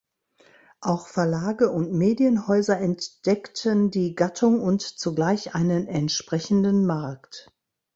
Auch Verlage und Medienhäuser entdeckten die Gattung und zugleich einen entsprechenden Markt.